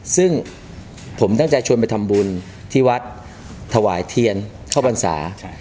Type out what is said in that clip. ซึ่งผมตั้งใจชวนไปทำบุญที่วัดถวายเทียนเข้าพรรษา